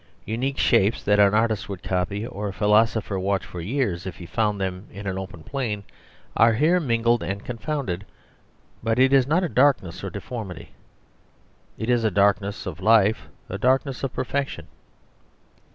Unique shapes that an artist would copy or a philosopher watch for years if he found them in an open plain are here mingled and confounded; but it is not a darkness of deformity. It is a darkness of life; a darkness of perfection.